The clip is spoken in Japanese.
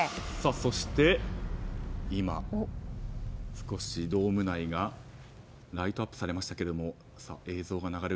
そして、今ドーム内がライトアップされました。